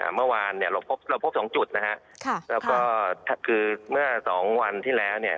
เมื่อวานเนี่ยเราพบเราพบสองจุดนะฮะแล้วก็คือเมื่อสองวันที่แล้วเนี่ย